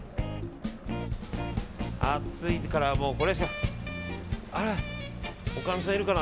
暑いから、もうこれしか。